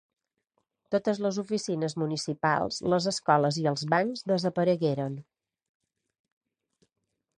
Totes les oficines municipals, les escoles i els bancs desaparegueren.